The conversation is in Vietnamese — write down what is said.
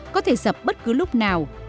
có thể sập bất cứ lúc nào